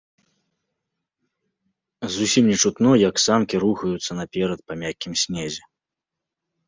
Зусім не чутно, як санкі рухаюцца наперад па мяккім снезе.